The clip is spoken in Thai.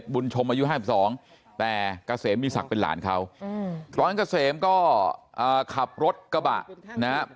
บุญชมอายุ๕๒แต่กะเสมมีศักดิ์เป็นหลานเขาตอนกะเสมก็ขับรถกระบะนะฮะ